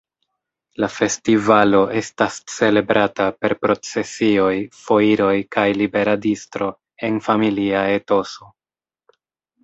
La festivalo estas celebrata per procesioj, foiroj kaj libera distro en familia etoso.